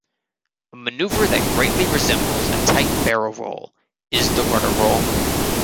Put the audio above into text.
A maneuver that greatly resembles a tight barrel-roll is the rudder roll.